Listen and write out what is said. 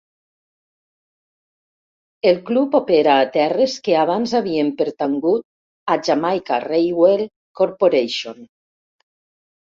El club opera a terres que abans havien pertangut a Jamaica Railway Corporation.